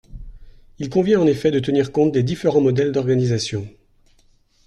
Il convient en effet de tenir compte des différents modèles d’organisation.